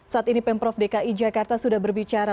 saat ini pemprov dki jakarta sudah berbicara